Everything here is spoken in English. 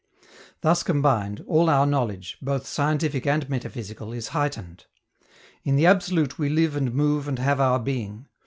Thus combined, all our knowledge, both scientific and metaphysical, is heightened. In the absolute we live and move and have our being.